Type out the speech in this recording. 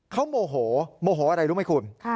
เขาโมโหโมโหอะไรรู้ไหมคุณ